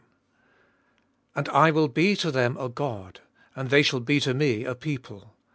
And I will be to them a God, And they shall be to me a people : 11.